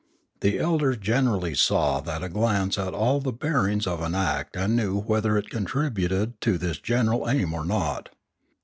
The elders generally saw at a glance all the bearings of an act and knew whether it contributed to this general aim or not.